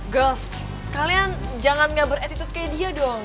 girls kalian jangan gak beretitude kayak dia dong